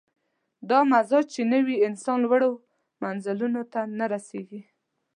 دا مزاج چې نه وي، انسان لوړو منزلونو ته نه رسېږي.